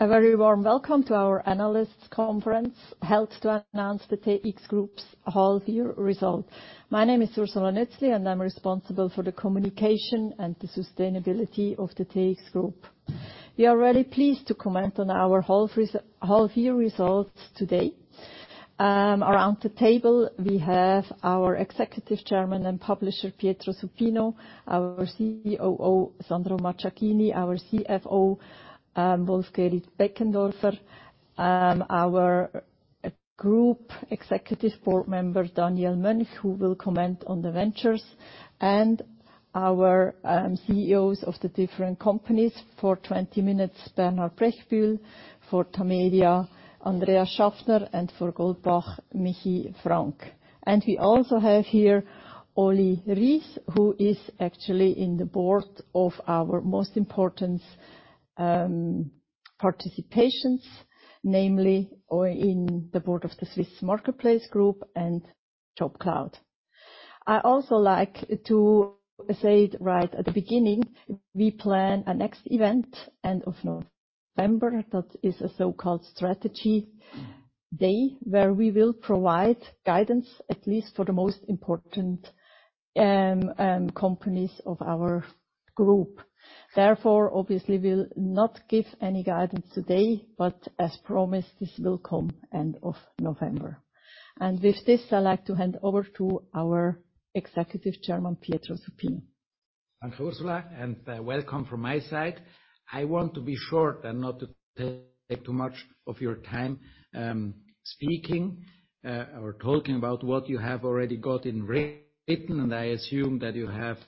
A very warm welcome to our analyst conference, held to announce the TX Group's half-year result. My name is Ursula Nötzli, and I'm responsible for the communication and the sustainability of the TX Group. We are really pleased to comment on our half-year results today. Around the table, we have our Executive Chairman and Publisher, Pietro Supino; our COO, Sandro Macciacchini; our CFO, Wolf-Gerrit Benkendorff; our Group Executive Board member, Daniel Mönch, who will comment on the ventures; and our CEOs of the different companies, for 20 Minuten, Bernhard Brechbühl, for Tamedia, Andreas Schaffner, and for Goldbach, Michi Frank. We also have here Olivier Rihs, who is actually in the board of our most important participations, namely, in the board of the Swiss Marketplace Group and JobCloud. I also like to say it right at the beginning. We plan our next event end of November. That is a so-called strategy day, where we will provide guidance, at least for the most important companies of our group. Therefore, obviously, we'll not give any guidance today, but as promised, this will come end of November. With this, I'd like to hand over to our Executive Chairman, Pietro Supino. Thank you, Ursula, and welcome from my side. I want to be short and not to take too much of your time, speaking or talking about what you have already got in written, and I assume that you have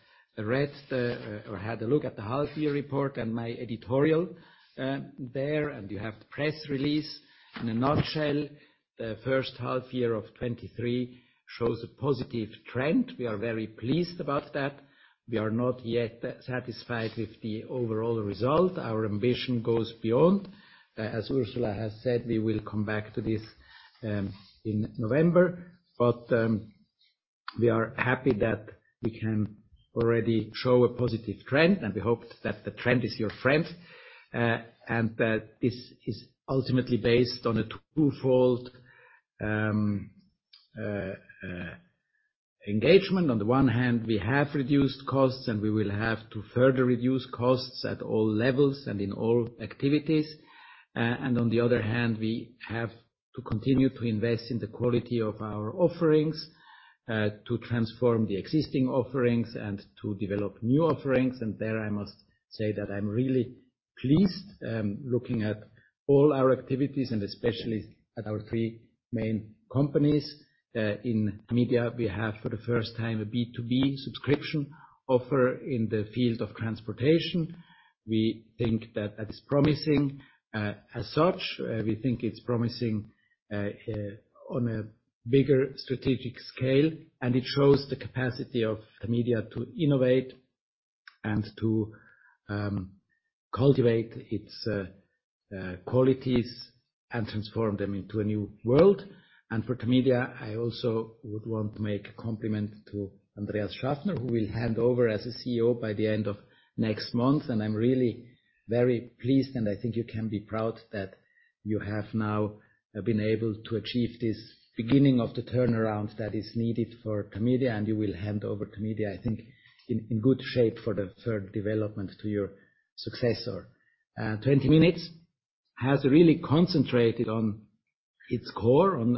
read the or had a look at the half-year report and my editorial, there, and you have the press release. In a nutshell, the first half year of 2023 shows a positive trend. We are very pleased about that. We are not yet satisfied with the overall result. Our ambition goes beyond. As Ursula has said, we will come back to this in November, but we are happy that we can already show a positive trend, and we hope that the trend is your friend, and that this is ultimately based on a twofold engagement. On the one hand, we have reduced costs, and we will have to further reduce costs at all levels and in all activities. On the other hand, we have to continue to invest in the quality of our offerings, to transform the existing offerings and to develop new offerings. There, I must say that I'm really pleased, looking at all our activities and especially at our three main companies. In media, we have, for the first time, a B2B subscription offer in the field of transportation. We think that that is promising. As such, we think it's promising, on a bigger strategic scale, and it shows the capacity of the media to innovate and to cultivate its qualities and transform them into a new world. And for Tamedia, I also would want to make a compliment to Andreas Schaffner, who will hand over as CEO by the end of next month. And I'm really very pleased, and I think you can be proud that you have now been able to achieve this beginning of the turnaround that is needed for Tamedia, and you will hand over Tamedia, I think, in good shape for the third development to your successor. Twenty Minutes has really concentrated on its core, on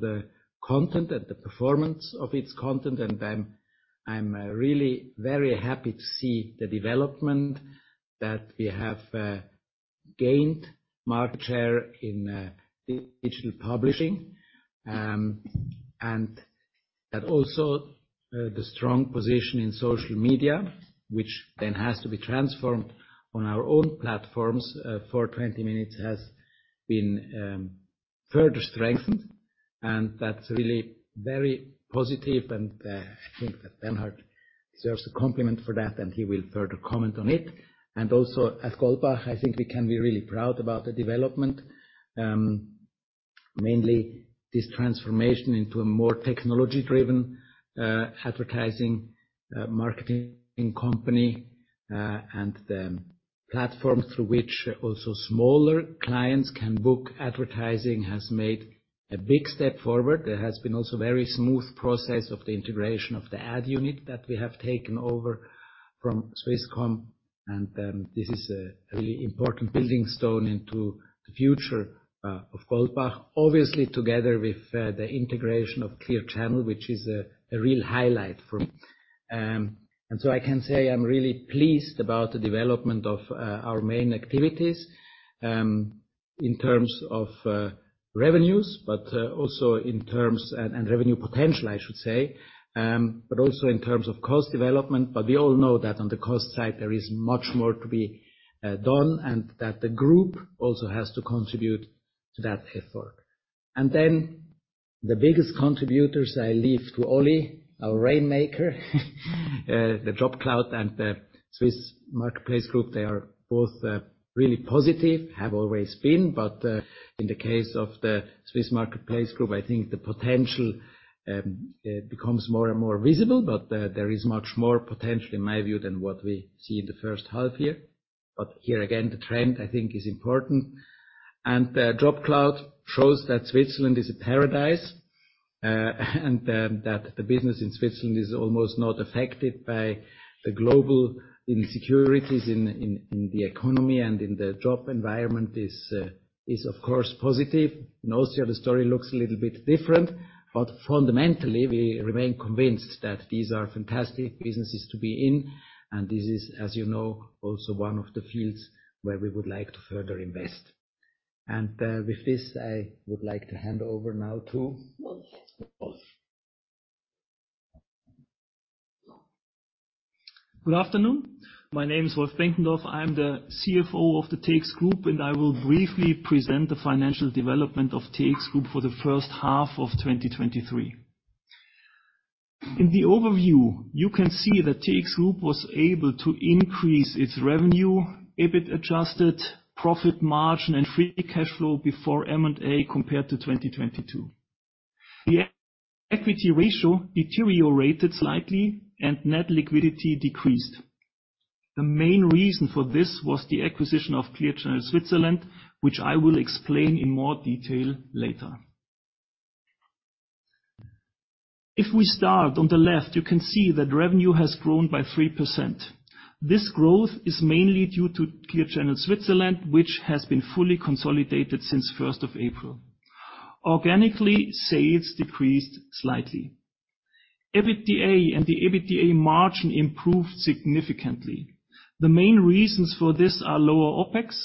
the content and the performance of its content, and I'm really very happy to see the development that we have gained market share in digital publishing. And that also, the strong position in social media, which then has to be transformed on our own platforms, for 20 Minuten, has been further strengthened, and that's really very positive, and I think that Bernhard deserves a compliment for that, and he will further comment on it. And also, at Goldbach, I think we can be really proud about the development, mainly this transformation into a more technology-driven advertising marketing company. And the platform through which also smaller clients can book advertising has made a big step forward. There has been also a very smooth process of the integration of the ad unit that we have taken over from Swisscom, and this is a really important building stone into the future of Goldbach. Obviously, together with the integration of Clear Channel, which is a real highlight for me. And so I can say I'm really pleased about the development of our main activities in terms of revenues, but also in terms... And revenue potential, I should say, but also in terms of cost development. But we all know that on the cost side, there is much more to be done, and that the group also has to contribute to that effort. And then, the biggest contributors, I leave to Oli, our rainmaker. The JobCloud and the Swiss Marketplace Group, they are both really positive, have always been. But in the case of the Swiss Marketplace Group, I think the potential becomes more and more visible, but there is much more potential in my view than what we see in the first half year. But here again, the trend, I think, is important. And JobCloud shows that Switzerland is a paradise and that the business in Switzerland is almost not affected by the global insecurities in the economy and in the job environment is, of course, positive. In Austria, the story looks a little bit different, but fundamentally, we remain convinced that these are fantastic businesses to be in, and this is, as you know, also one of the fields where we would like to further invest. And with this, I would like to hand over now to Wolf. Good afternoon. My name is Wolf-Gerrit Benkendorff. I'm the CFO of the TX Group, and I will briefly present the financial development of TX Group for the first half of 2023. In the overview, you can see that TX Group was able to increase its revenue, EBIT adjusted, profit margin, and free cash flow before M&A compared to 2022. The equity ratio deteriorated slightly and net liquidity decreased. The main reason for this was the acquisition of Clear Channel Switzerland, which I will explain in more detail later. If we start on the left, you can see that revenue has grown by 3%. This growth is mainly due to Clear Channel Switzerland, which has been fully consolidated since April 1. Organically, sales decreased slightly. EBITDA and the EBITDA margin improved significantly. The main reasons for this are lower OpEx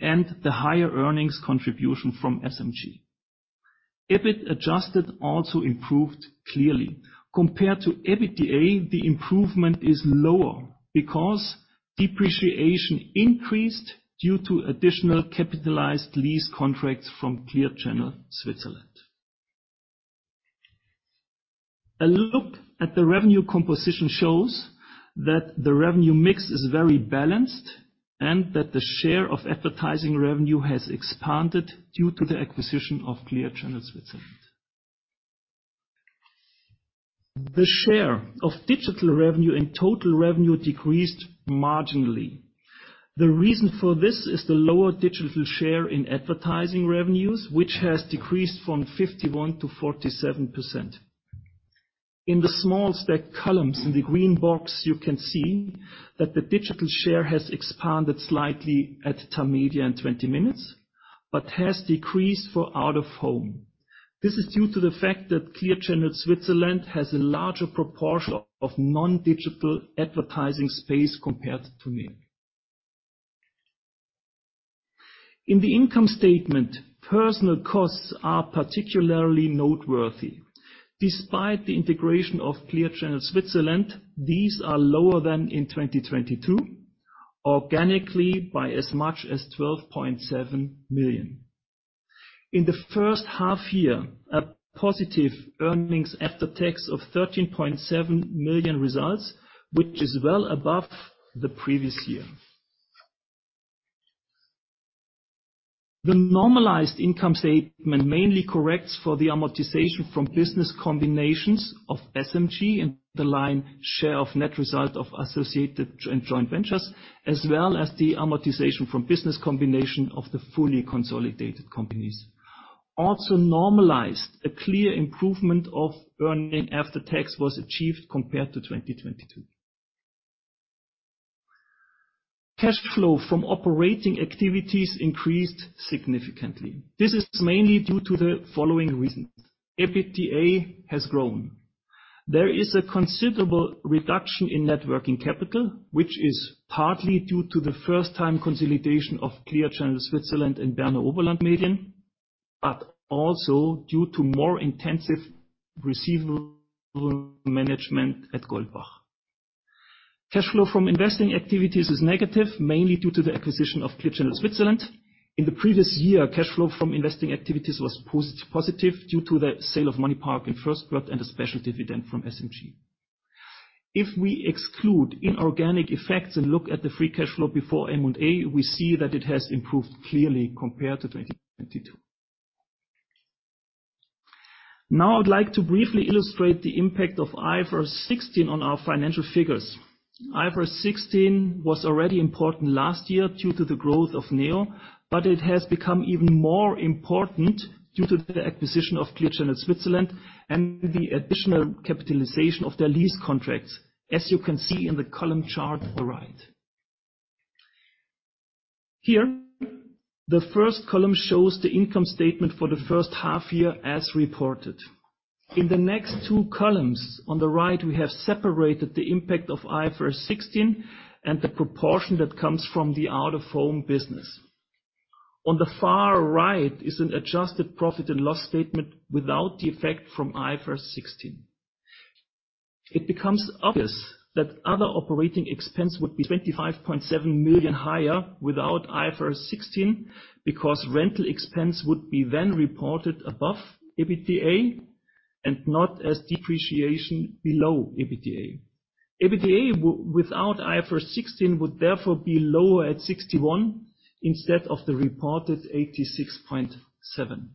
and the higher earnings contribution from SMG. EBIT adjusted also improved clearly. Compared to EBITDA, the improvement is lower because depreciation increased due to additional capitalized lease contracts from Clear Channel Schweiz. A look at the revenue composition shows that the revenue mix is very balanced, and that the share of advertising revenue has expanded due to the acquisition of Clear Channel Schweiz. The share of digital revenue and total revenue decreased marginally. The reason for this is the lower digital share in advertising revenues, which has decreased from 51% to 47%. In the small stack columns in the green box, you can see that the digital share has expanded slightly at Tamedia in 20 Minuten, but has decreased for out-of-home. This is due to the fact that Clear Channel Schweiz has a larger proportion of non-digital advertising space compared to Neo. In the income statement, personnel costs are particularly noteworthy. Despite the integration of Clear Channel Switzerland, these are lower than in 2022, organically by as much as 12.7 million. In the first half year, a positive earnings after tax of 13.7 million results, which is well above the previous year. The normalized income statement mainly corrects for the amortization from business combinations of SMG and the line share of net result of associated joint ventures, as well as the amortization from business combination of the fully consolidated companies. Also normalized, a clear improvement of earning after tax was achieved compared to 2022. Cash flow from operating activities increased significantly. This is mainly due to the following reasons: EBITDA has grown. There is a considerable reduction in net working capital, which is partly due to the first time consolidation of Clear Channel Schweiz and Berner Oberland Medien, but also due to more intensive receivable management at Goldbach. Cash flow from investing activities is negative, mainly due to the acquisition of Clear Channel Schweiz. In the previous year, cash flow from investing activities was positive due to the sale of MoneyPark in first quarter and a special dividend from SMG. If we exclude inorganic effects and look at the free cash flow before M&A, we see that it has improved clearly compared to 2022. Now, I'd like to briefly illustrate the impact of IFRS 16 on our financial figures. IFRS 16 was already important last year due to the growth of Neo, but it has become even more important due to the acquisition of Clear Channel Switzerland and the additional capitalization of their lease contracts, as you can see in the column chart on the right. Here, the first column shows the income statement for the first half year as reported. In the next two columns on the right, we have separated the impact of IFRS 16 and the proportion that comes from the out-of-home business. On the far right is an adjusted profit and loss statement without the effect from IFRS 16. It becomes obvious that other operating expense would be 25.7 million higher without IFRS 16, because rental expense would be then reported above EBITDA and not as depreciation below EBITDA. EBITDA without IFRS 16 would therefore be lower at 61 instead of the reported 86.7.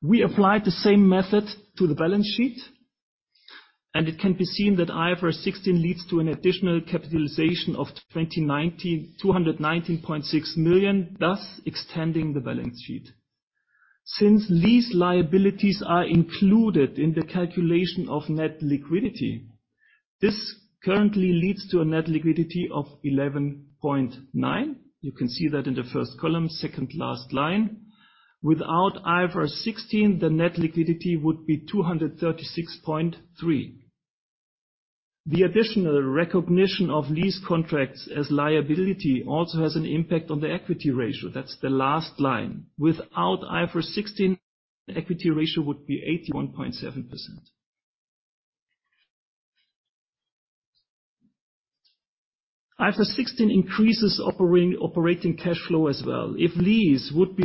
We applied the same method to the balance sheet, and it can be seen that IFRS 16 leads to an additional capitalization of two hundred nineteen point six million, thus extending the balance sheet. Since these liabilities are included in the calculation of net liquidity, this currently leads to a net liquidity of 11.9. You can see that in the first column, second last line. Without IFRS 16, the net liquidity would be 236.3. The additional recognition of lease contracts as liability also has an impact on the equity ratio. That's the last line. Without IFRS 16, the equity ratio would be 81.7%. IFRS 16 increases operating cash flow as well. If lease would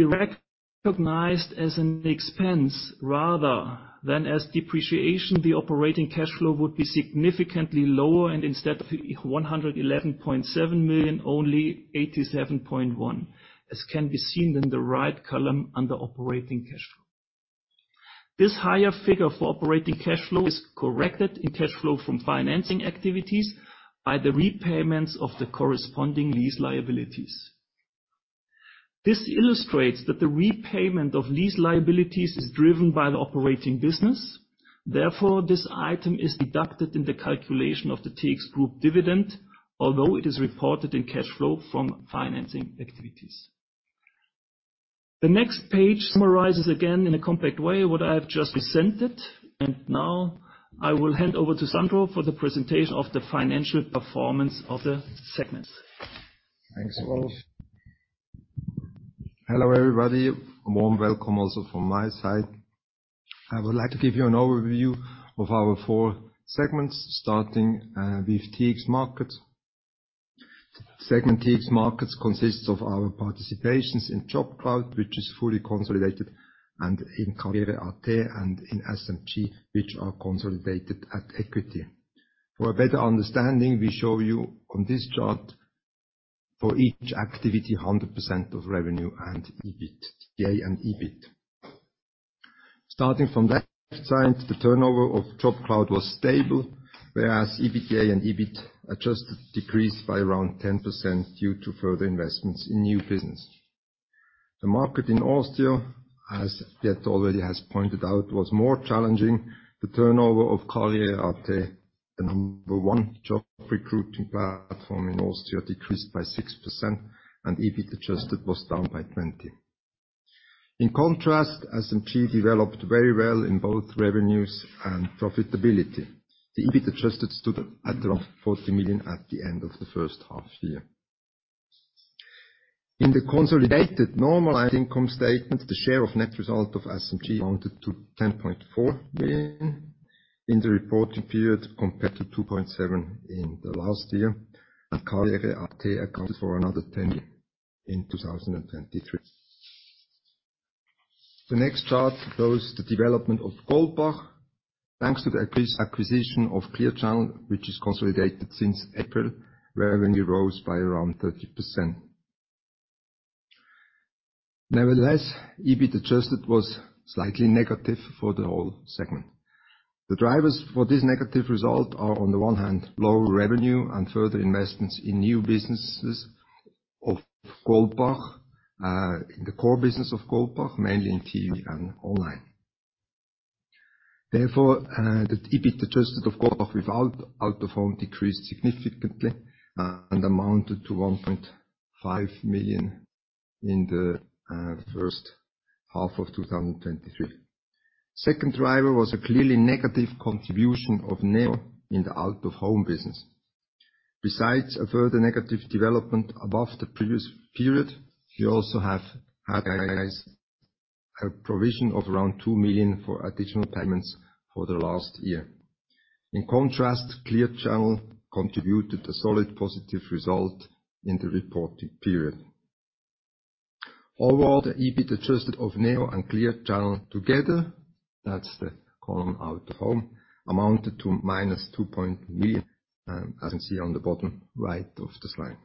be recognized as an expense rather than as depreciation, the operating cash flow would be significantly lower, and instead of 111.7 million, only 87.1 million, as can be seen in the right column under operating cash flow. This higher figure for operating cash flow is corrected in cash flow from financing activities by the repayments of the corresponding lease liabilities. This illustrates that the repayment of lease liabilities is driven by the operating business. Therefore, this item is deducted in the calculation of the TX Group dividend, although it is reported in cash flow from financing activities. The next page summarizes again in a compact way, what I have just presented, and now I will hand over to Sandro for the presentation of the financial performance of the segments. Thanks a lot. Hello, everybody. A warm welcome also from my side. I would like to give you an overview of our four segments, starting with TX Markets. Segment TX Markets consists of our participations in JobCloud, which is fully consolidated, and in karriere.at and in SMG, which are consolidated at equity. For a better understanding, we show you on this chart, for each activity, 100% of revenue and EBIT, EBITDA and EBIT. Starting from that side, the turnover of JobCloud was stable, whereas EBITDA and EBIT adjusted decreased by around 10% due to further investments in new business. The market in Austria, as Dietmar already has pointed out, was more challenging. The turnover of karriere.at, the number one job recruiting platform in Austria, decreased by 6%, and EBIT adjusted was down by 20%. In contrast, SMG developed very well in both revenues and profitability. The EBIT adjusted stood at around 40 million at the end of the first half year. In the consolidated normalized income statement, the share of net result of SMG amounted to 10.4 million in the reporting period, compared to 2.7 million in the last year, and karriere.at accounted for another 10 million in 2023. The next chart shows the development of Goldbach. Thanks to the acquisition of Clear Channel, which is consolidated since April, revenue rose by around 30%. Nevertheless, EBIT adjusted was slightly negative for the whole segment. The drivers for this negative result are, on the one hand, lower revenue and further investments in new businesses of Goldbach, in the core business of Goldbach, mainly in TV and online. Therefore, the EBIT adjusted of Goldbach without out-of-home decreased significantly and amounted to 1.5 million in the first half of 2023. Second driver was a clearly negative contribution of NEO in the out-of-home business. Besides a further negative development above the previous period, we also have had a provision of around 2 million for additional payments for the last year. In contrast, Clear Channel contributed a solid, positive result in the reported period. Overall, the EBIT adjusted of NEO and Clear Channel together, that's the column out of home, amounted to -2 million, as you can see on the bottom right of the slide.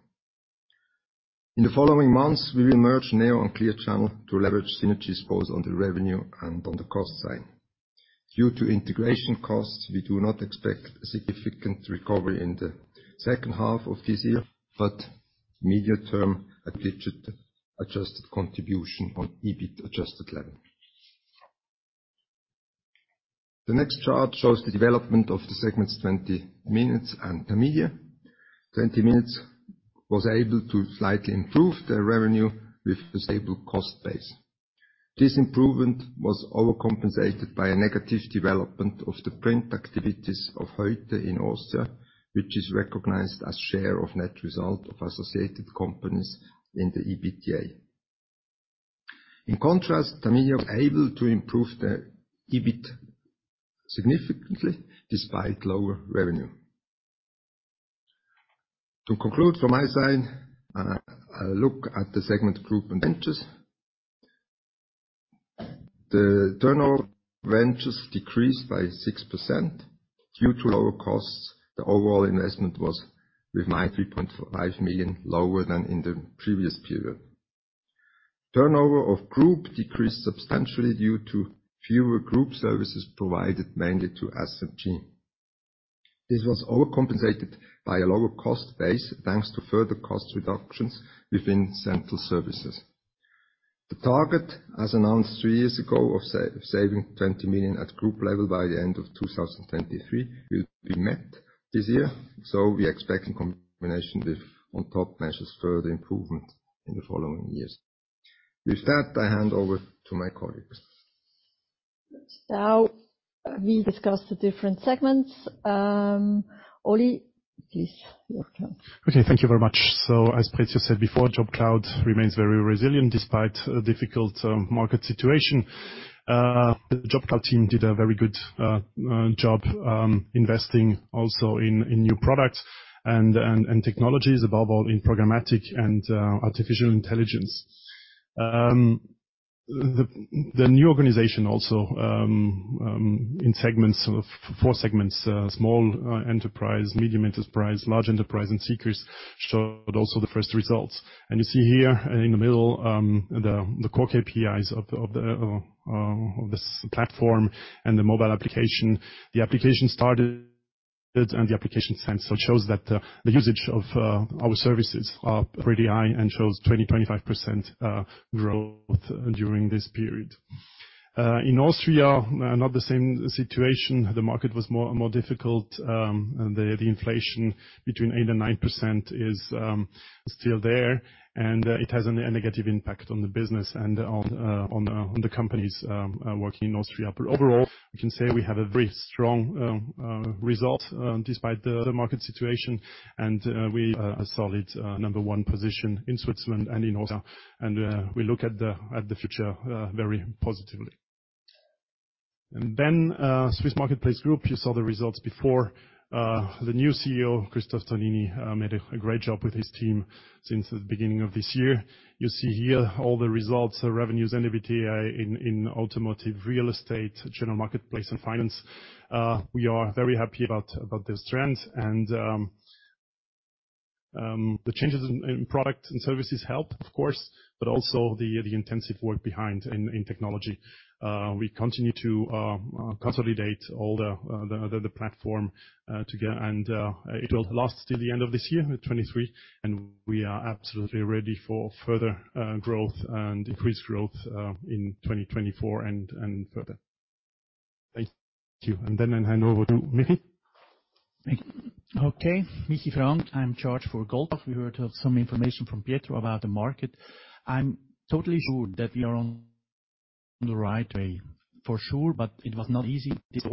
In the following months, we will merge NEO and Clear Channel to leverage synergies, both on the revenue and on the cost side. Due to integration costs, we do not expect a significant recovery in the second half of this year, but medium term, adjusted, adjusted contribution on EBIT-adjusted level. The next chart shows the development of the segments, 20 Minuten and the media. 20 Minuten was able to slightly improve their revenue with a stable cost base. This improvement was overcompensated by a negative development of the print activities of Heute in Austria, which is recognized as share of net result of associated companies in the EBITDA. In contrast, Tamedia was able to improve their EBIT significantly despite lower revenue. To conclude, from my side, I look at the segment TX Ventures. The turnover TX Ventures decreased by 6% due to lower costs. The overall investment was with 93.5 million, lower than in the previous period. Turnover of group decreased substantially due to fewer group services provided mainly to SMG. This was overcompensated by a lower cost base, thanks to further cost reductions within central services. The target, as announced three years ago, of saving 20 million at group level by the end of 2023, will be met this year, so we expect in combination with on top measures, further improvement in the following years. With that, I hand over to my colleagues. Now, we discuss the different segments. Oli, please, your turn. Okay, thank you very much. So as Pietro said before, JobCloud remains very resilient despite a difficult market situation. The JobCloud team did a very good job investing also in new products and technologies, above all in programmatic and artificial intelligence. The new organization also in segments of four segments: small enterprise, medium enterprise, large enterprise, and seekers, showed also the first results. And you see here in the middle the core KPIs of this platform and the mobile application. The application started, and the application signs, so it shows that the usage of our services are pretty high and shows 25% growth during this period. In Austria, not the same situation. The market was more difficult, and the inflation between 8%-9% is still there, and it has a negative impact on the business and on the companies working in Austria. But overall, we can say we have a very strong result despite the market situation, and we have a solid number one position in Switzerland and in Austria, and we look at the future very positively. And then, Swiss Marketplace Group, you saw the results before. The new CEO, Christoph Tonini, made a great job with his team since the beginning of this year. You see here all the results, the revenues, and EBITDA in automotive, real estate, general marketplace, and finance. We are very happy about this trend, and the changes in product and services help, of course, but also the intensive work behind in technology. We continue to consolidate all the platform together, and it will last till the end of this year, 2023, and we are absolutely ready for further growth and increased growth in 2024 and further. Thank you. And then I hand over to Michi. Thank you. Okay, Michi Frank, I'm in charge for Goldbach. We heard of some information from Pietro about the market. I'm totally sure that we are on the right way, for sure, but it was not easy. These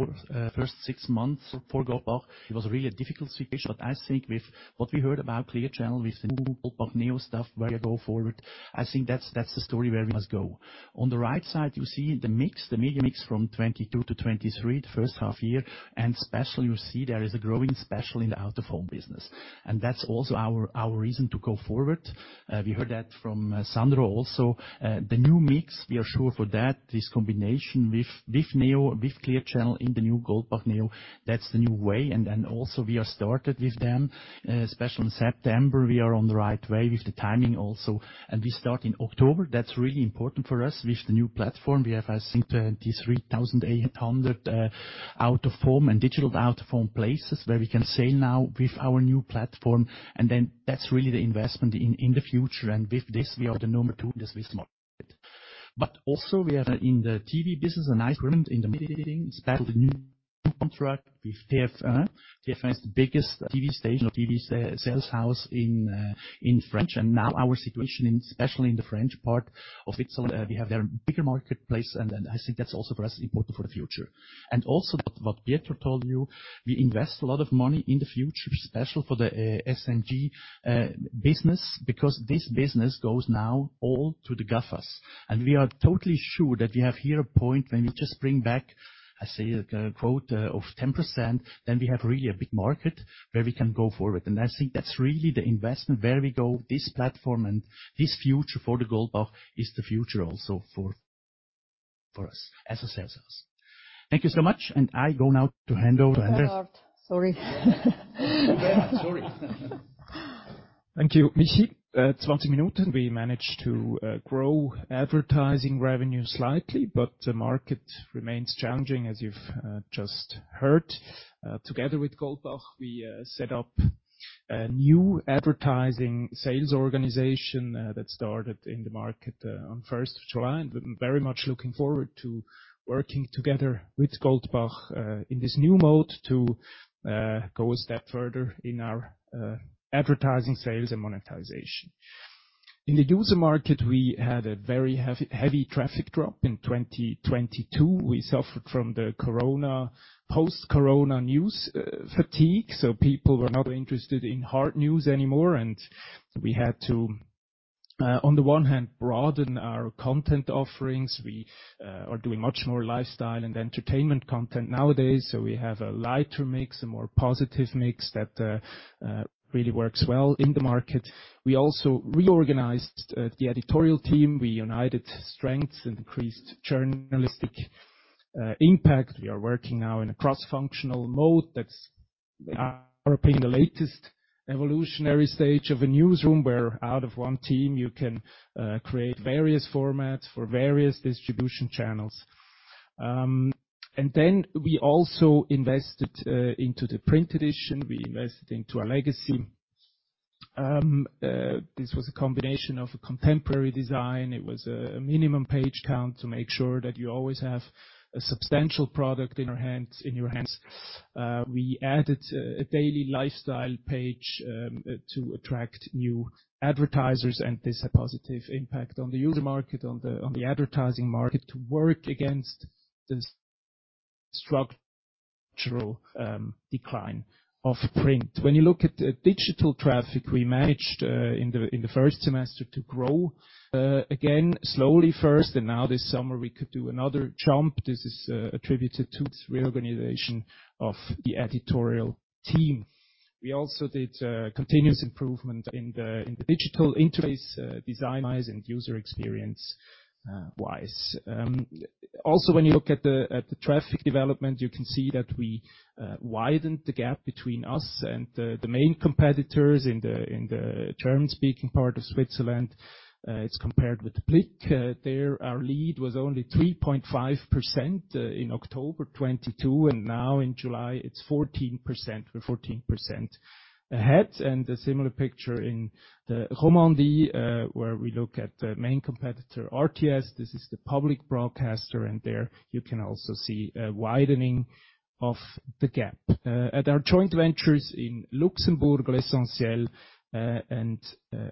first six months for Goldbach, it was really a difficult situation, but I think with what we heard about Clear Channel, with the new Goldbach Neo stuff, where we go forward, I think that's, that's the story where we must go. On the right side, you see the mix, the media mix, from 2022 to 2023, the first half year, and especially, you see there is a growing, especially in the out-of-home business. And that's also our, our reason to go forward. We heard that from Sandro also. The new mix, we are sure for that, this combination with, with Neo, with Clear Channel in the new Goldbach Neo, that's the new way. And then also, we are started with them, especially in September. We are on the right way with the timing also, and we start in October. That's really important for us. With the new platform, we have, I think, 33,800 out-of-home and digital out-of-home places where we can sell now with our new platform, and then that's really the investment in, in the future. And with this, we are the number two in the Swiss market. But also, we are in the TV business, a nice moment in the meeting, especially the new contract with TF1. TF1 is the biggest TV station or TV sales house in French. And now our situation in, especially in the French part of Switzerland, we have a bigger marketplace, and I think that's also for us important for the future. And also what Pietro told you, we invest a lot of money in the future, especially for the SMG business, because this business goes now all to the GAFAs. And we are totally sure that we have here a point when we just bring back, I say, a quote of 10%, then we have really a big market where we can go forward. And I think that's really the investment where we go. This platform and this future for the Goldbach is the future also for us as a sales. Thank you so much, and I go now to hand over- Sorry. Sorry. Thank you, Michi. 20 Minuten, we managed to grow advertising revenue slightly, but the market remains challenging, as you've just heard. Together with Goldbach, we set up a new advertising sales organization that started in the market on first of July, and we're very much looking forward to working together with Goldbach in this new mode to go a step further in our advertising, sales, and monetization. In the user market, we had a very heavy traffic drop in 2022. We suffered from the corona, post-corona news fatigue, so people were not interested in hard news anymore, and we had to, on the one hand, broaden our content offerings. We are doing much more lifestyle and entertainment content nowadays, so we have a lighter mix, a more positive mix that really works well in the market. We also reorganized the editorial team. We united strengths and increased journalistic impact. We are working now in a cross-functional mode that's the latest evolutionary stage of a newsroom, where out of one team, you can create various formats for various distribution channels. And then we also invested into the print edition. We invested into our legacy. This was a combination of a contemporary design. It was a minimum page count to make sure that you always have a substantial product in your hands, in your hands. We added a daily lifestyle page to attract new advertisers, and this a positive impact on the user market, on the advertising market, to work against the structural decline of print. When you look at the digital traffic, we managed in the first semester to grow again, slowly first, and now this summer, we could do another jump. This is attributed to this reorganization of the editorial team. We also did continuous improvement in the digital interface design-wise and user experience wise. Also, when you look at the traffic development, you can see that we widened the gap between us and the main competitors in the German-speaking part of Switzerland. It's compared with the Blick. There, our lead was only 3.5% in October 2022, and now in July, it's 14%. We're 14% ahead, and a similar picture in the Romandie, where we look at the main competitor, RTS. This is the public broadcaster, and there you can also see a widening of the gap. At our joint ventures in Luxembourg, L'Essentiel, and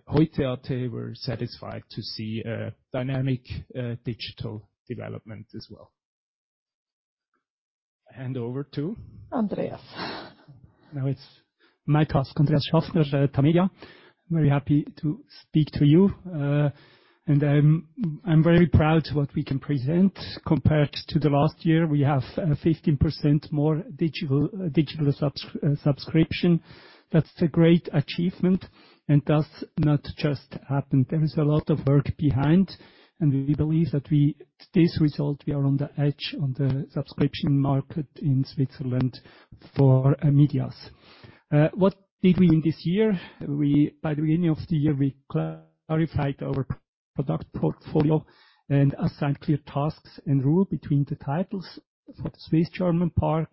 Heute.at were satisfied to see a dynamic digital development as well. I hand over to- Andreas. Now it's my task, Andreas Schaffner, Tamedia. Very happy to speak to you, and I'm very proud to what we can present. Compared to the last year, we have 15% more digital subscription. That's a great achievement and does not just happen. There is a lot of work behind, and we believe that this result, we are on the edge on the subscription market in Switzerland for medias. What did we in this year? We, by the beginning of the year, we clarified our product portfolio and assigned clear tasks and role between the titles for the Swiss German part.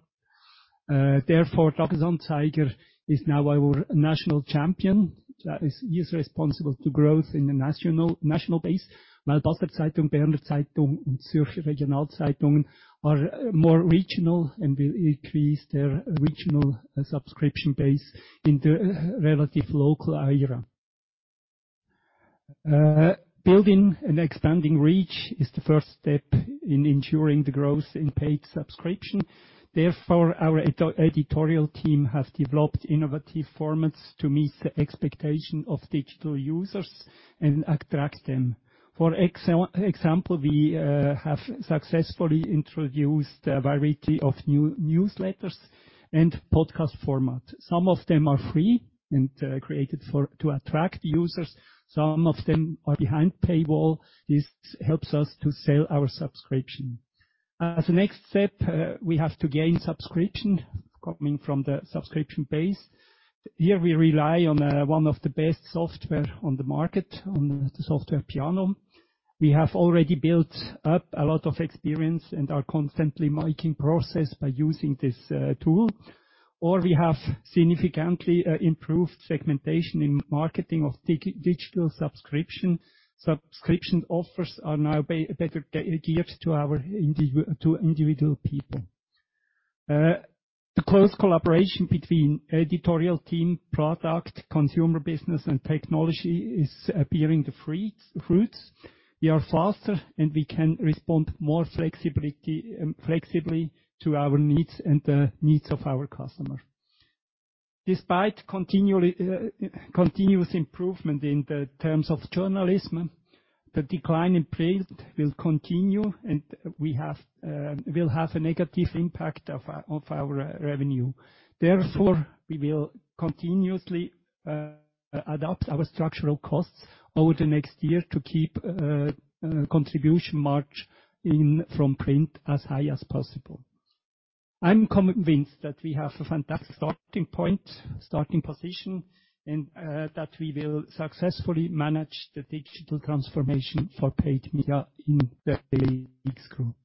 Therefore, Tages-Anzeiger is now our national champion. That is. He is responsible to growth in the national base, while Basler Zeitung, Berner Zeitung, and Zürcher Regionalzeitung are more regional and will increase their regional subscription base in the relative local area. Building and expanding reach is the first step in ensuring the growth in paid subscription. Therefore, our editorial team has developed innovative formats to meet the expectation of digital users and attract them. For example, we have successfully introduced a variety of new newsletters and podcast format. Some of them are free and created for to attract users. Some of them are behind paywall. This helps us to sell our subscription. As a next step, we have to gain subscription, coming from the subscription base. Here, we rely on one of the best software on the market, on the software Piano. We have already built up a lot of experience and are constantly making progress by using this tool, or we have significantly improved segmentation in marketing of digital subscription. Subscription offers are now better geared to our individual people. The close collaboration between editorial team, product, consumer business, and technology is bearing fruit. We are faster, and we can respond more flexibly to our needs and the needs of our customers. Despite continuous improvement in the terms of journalism, the decline in print will continue, and we will have a negative impact on our revenue. Therefore, we will continuously adapt our structural costs over the next year to keep contribution margin from print as high as possible. I'm convinced that we have a fantastic starting point, starting position, and that we will successfully manage the digital transformation for paid media in the TX Group.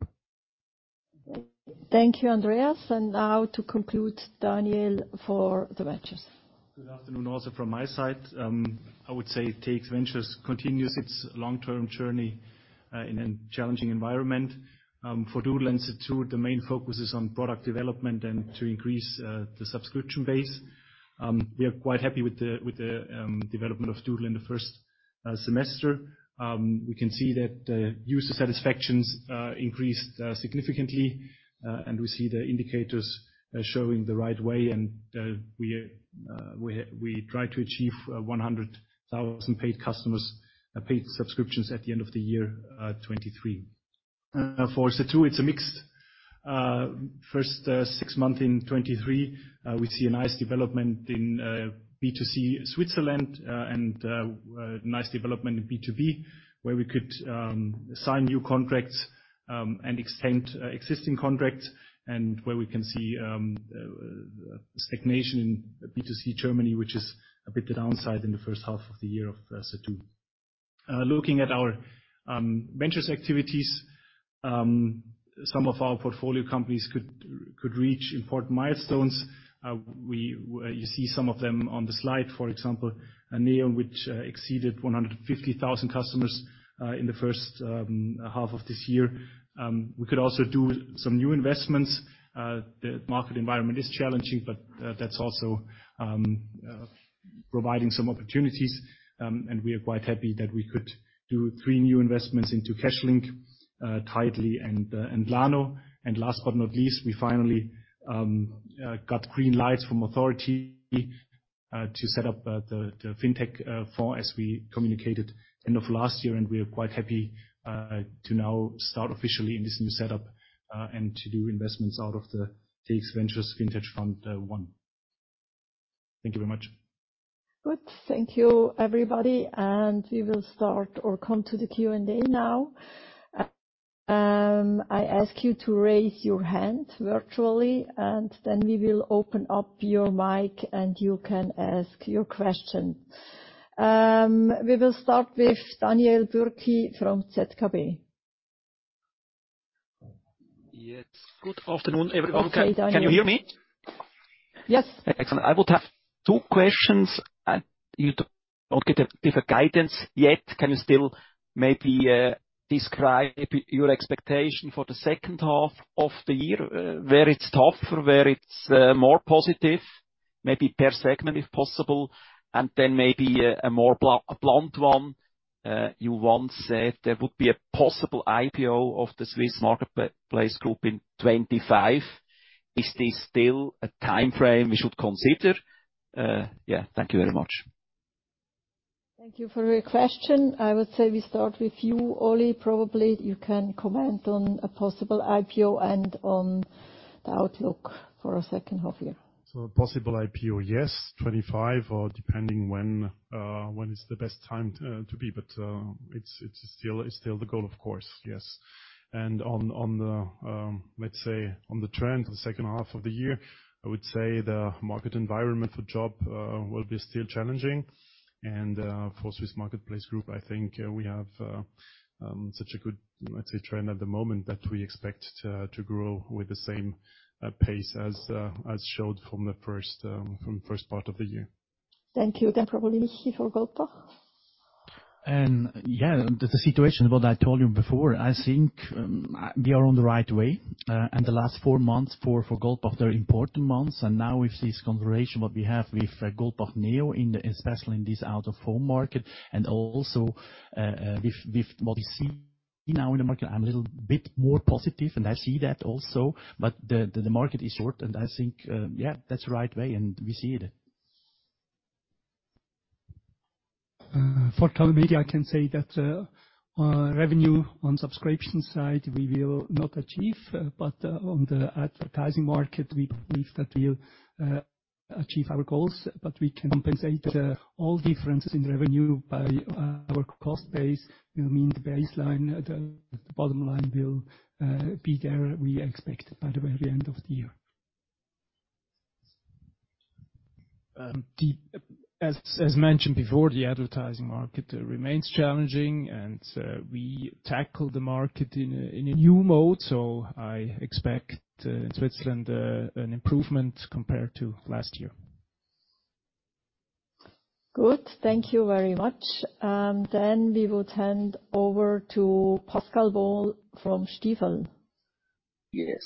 Thank you, Andreas. Now to conclude, Daniel, for the ventures. Good afternoon also from my side. I would say TX Ventures continues its long-term journey in a challenging environment. For Doodle Institute, the main focus is on product development and to increase the subscription base. We are quite happy with the development of Doodle in the first semester. We can see that user satisfactions increased significantly and we see the indicators showing the right way, and we try to achieve 100,000 paid customers paid subscriptions at the end of the year 2023.... for Zattoo, it's a mixed first six months in 2023. We see a nice development in B2C Switzerland, and a nice development in B2B, where we could sign new contracts and extend existing contracts, and where we can see stagnation in B2C Germany, which is a bit downside in the first half of the year of Zattoo. Looking at our ventures activities, some of our portfolio companies could reach important milestones. You see some of them on the slide, for example, Neon, which exceeded 150,000 customers in the first half of this year. We could also do some new investments. The market environment is challenging, but that's also providing some opportunities. We are quite happy that we could do three new investments into Cashlink, Tidely, and Lano. Last but not least, we finally got green light from authority to set up the Fintech for as we communicated end of last year, and we are quite happy to now start officially in this new setup and to do investments out of the TX Ventures Fintech Fund one. Thank you very much. Good. Thank you, everybody, and we will start or come to the Q&A now. I ask you to raise your hand virtually, and then we will open up your mic, and you can ask your question. We will start with Daniel Bürki from ZKB. Yes. Good afternoon, everyone. Okay, Daniel. Can you hear me? Yes. Excellent. I would have two questions. You don't give a guidance yet. Can you still maybe describe your expectation for the second half of the year? Where it's tougher, where it's more positive, maybe per segment, if possible. And then maybe a more blunt one. You once said there would be a possible IPO of the Swiss Marketplace Group in 2025. Is this still a time frame we should consider? Yeah, thank you very much. Thank you for your question. I would say we start with you, Oli. Probably, you can comment on a possible IPO and on the outlook for our second half year. So a possible IPO, yes, 25, or depending when, when is the best time to be, but it's still the goal, of course, yes. On the trend, let's say, for the second half of the year, I would say the market environment for job will be still challenging. And for Swiss Marketplace Group, I think we have such a good, let's say, trend at the moment, that we expect to grow with the same pace as showed from the first part of the year. Thank you. Then probably Michi for Goldbach. Yeah, the situation, what I told you before, I think, we are on the right way. And the last four months for, for Goldbach, they're important months. And now with this conversation, what we have with Goldbach Neo, in the especially in this out of home market, and also, with, with what we see now in the market, I'm a little bit more positive, and I see that also. But the, the, the market is short, and I think, yeah, that's the right way, and we see it. For Tamedia, I can say that, our revenue on subscription side, we will not achieve, but on the advertising market, we believe that we'll achieve our goals. But we can compensate all differences in revenue by our cost base. I mean, the baseline, the bottom line will be there, we expect, by the very end of the year. As mentioned before, the advertising market remains challenging, and we tackle the market in a new mode, so I expect in Switzerland an improvement compared to last year. Good. Thank you very much. Then we would hand over to Pascal Boll from Stifel. Yes.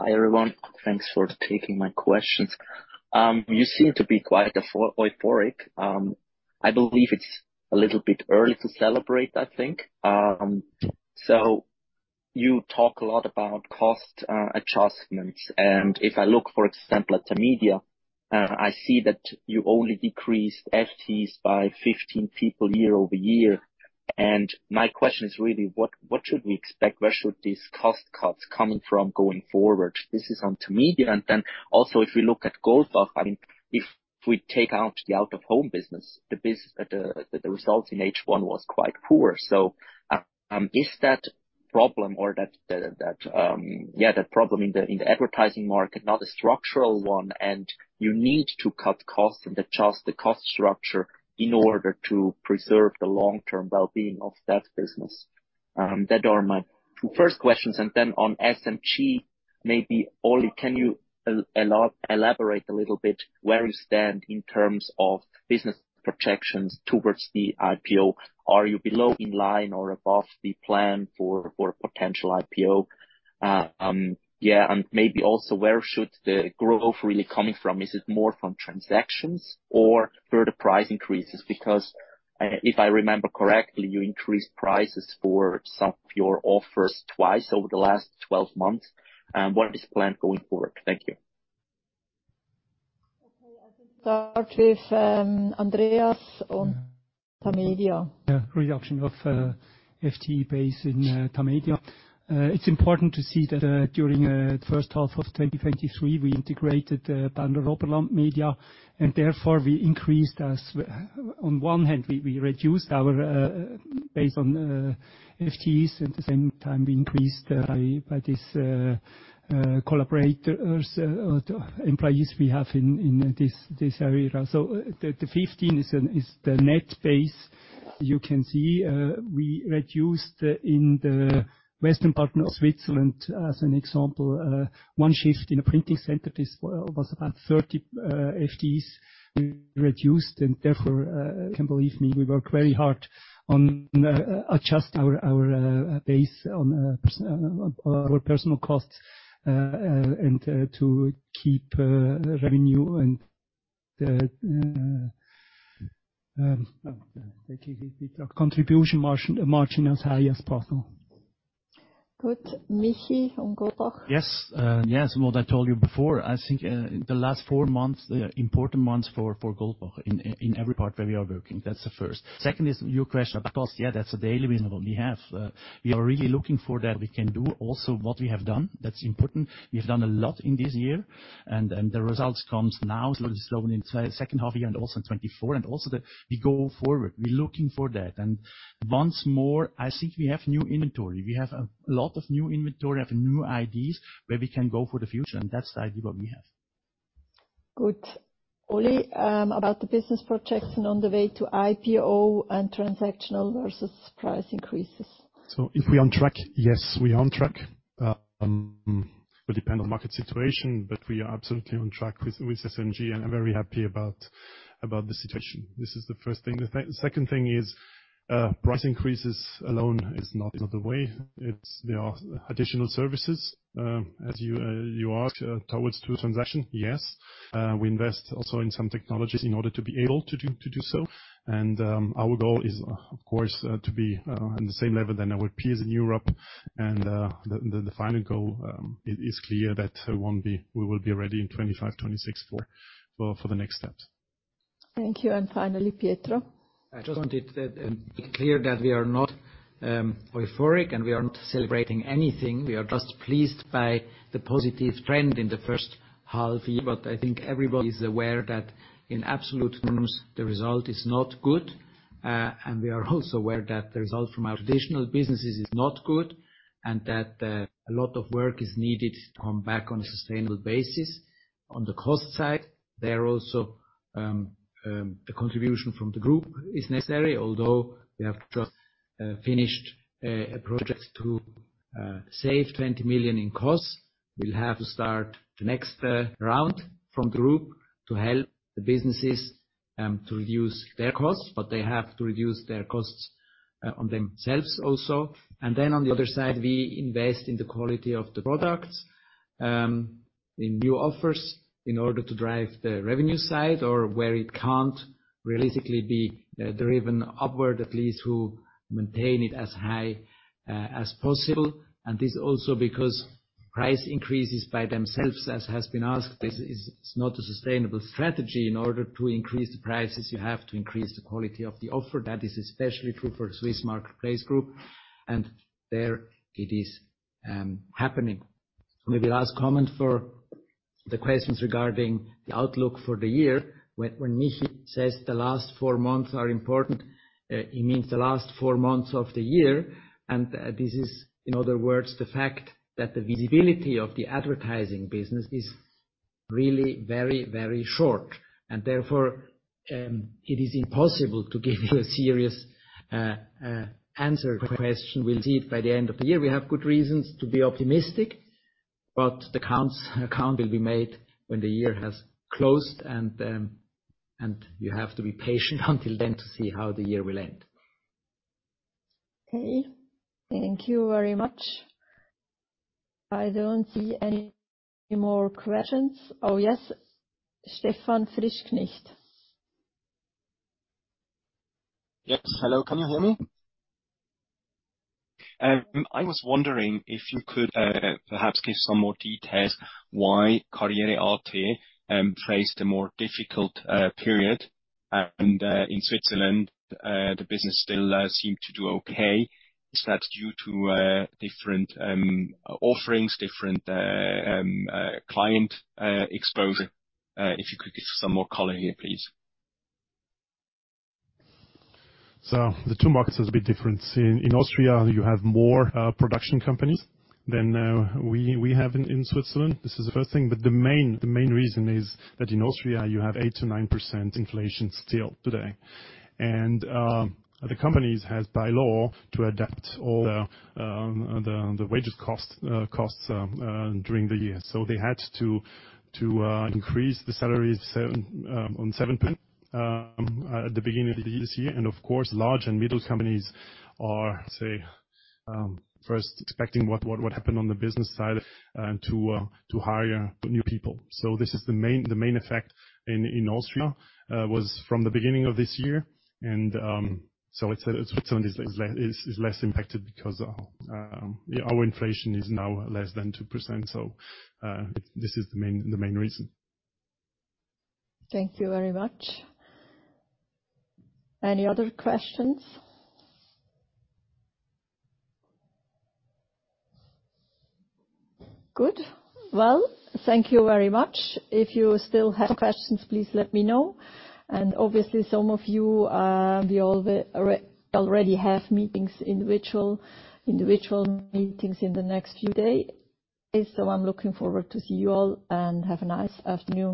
Hi, everyone. Thanks for taking my questions. You seem to be quite euphoric. I believe it's a little bit early to celebrate, I think. So you talk a lot about cost adjustments, and if I look, for example, at Tamedia, I see that you only decreased FTEs by 15 people year-over-year. And my question is really: what should we expect? Where should these cost cuts coming from going forward? This is on Tamedia. And then also, if we look at Goldbach, I mean, if we take out the out-of-home business, the business, the results in H1 was quite poor. So, is that problem in the advertising market not a structural one, and you need to cut costs and adjust the cost structure in order to preserve the long-term well-being of that business? That are my two first questions. And then on SMG, maybe, Oli, can you elaborate a little bit where you stand in terms of business projections towards the IPO? Are you below, in line or above the plan for a potential IPO? And maybe also, where should the growth really coming from? Is it more from transactions or further price increases? Because if I remember correctly, you increased prices for some of your offers twice over the last twelve months. And what is the plan going forward? Thank you.... Start with Andreas on Tamedia. Yeah, reduction of FTE base in Tamedia. It's important to see that during the first half of 2023, we integrated under Berner Oberland Medien, and therefore we increased as-- On one hand, we reduced our base on FTEs; at the same time, we increased by this collaborators or employees we have in this area. So the 15 is the net base. You can see, we reduced in the western part of Switzerland, as an example, one shift in a printing center. This was about 30 FTEs we reduced, and therefore, you can believe me, we work very hard on adjust our base on our personal costs, and to keep revenue and the contribution margin as high as possible. Good. Michi on Goldbach? Yes, yes, what I told you before, I think, the last four months, they are important months for, for Goldbach in, in every part where we are working. That's the first. Second is your question about cost. Yeah, that's a daily reason what we have. We are really looking for that. We can do also what we have done. That's important. We've done a lot in this year, and, and the results comes now, sort of slowing in second half year and also in 2024, and also that we go forward. We're looking for that. And once more, I think we have new inventory. We have a lot of new inventory, have new ideas where we can go for the future, and that's the idea what we have. Good. Oli, about the business projects and on the way to IPO and transactional versus price increases? So if we're on track? Yes, we are on track. It depends on market situation, but we are absolutely on track with SMG, and I'm very happy about the situation. This is the first thing. The second thing is, price increases alone is not the way. There are additional services, as you ask, towards transaction. Yes. We invest also in some technologies in order to be able to do so. And our goal is, of course, to be on the same level than our peers in Europe. And the final goal is clear that we won't be—we will be ready in 2025, 2026 for the next step. Thank you. Finally, Pietro. I just wanted to be clear that we are not euphoric and we are not celebrating anything. We are just pleased by the positive trend in the first half year. But I think everybody is aware that in absolute terms, the result is not good, and we are also aware that the result from our traditional businesses is not good, and that a lot of work is needed to come back on a sustainable basis. On the cost side, there are also the contribution from the group is necessary, although we have just finished a project to save 20 million in costs. We'll have to start the next round from the group to help the businesses to reduce their costs, but they have to reduce their costs on themselves also. And then, on the other side, we invest in the quality of the products, in new offers, in order to drive the revenue side, or where it can't realistically be, driven upward, at least to maintain it as high, as possible. And this also because price increases by themselves, as has been asked, this is not a sustainable strategy. In order to increase the prices, you have to increase the quality of the offer. That is especially true for Swiss Marketplace Group, and there it is, happening. Maybe last comment for the questions regarding the outlook for the year. When Michi says the last four months are important, he means the last four months of the year, and this is, in other words, the fact that the visibility of the advertising business is really very, very short, and therefore, it is impossible to give you a serious answer question. We'll see it by the end of the year. We have good reasons to be optimistic, but the counts, account will be made when the year has closed, and, and you have to be patient until then to see how the year will end. Okay. Thank you very much. I don't see any more questions. Oh, yes. Stefan Frischknecht. Yes. Hello, can you hear me? I was wondering if you could perhaps give some more details why karriere.at faced a more difficult period, and in Switzerland the business still seemed to do okay. Is that due to different offerings, different client exposure? If you could give some more color here, please. So the two markets has a big difference. In Austria, you have more production companies than we have in Switzerland. This is the first thing, but the main reason is that in Austria, you have 8%-9% inflation still today. And the companies has, by law, to adapt all the wages costs during the year. So they had to increase the salaries on 7% at the beginning of this year. And of course, large and middle companies are, say, first expecting what happened on the business side to hire new people. So this is the main, the main effect in Austria was from the beginning of this year, and so it's, Switzerland is less impacted because our inflation is now less than 2%. So this is the main, the main reason. Thank you very much. Any other questions? Good. Well, thank you very much. If you still have questions, please let me know. And obviously, some of you, we all already have individual meetings in the next few days. So I'm looking forward to see you all, and have a nice afternoon.